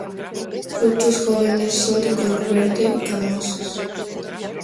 Frutos jóvenes son de color verde y carnosos.